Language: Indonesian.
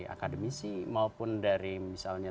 akademisi maupun dari misalnya